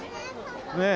ねえ。